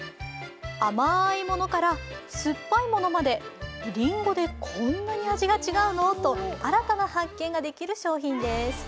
甘いものから酸っぱいものまで、りんごでこんなに味が違うの？と新たな発見ができる商品です。